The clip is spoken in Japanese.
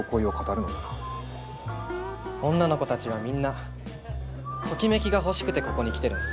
女の子たちはみんなときめきが欲しくてここに来てるんす。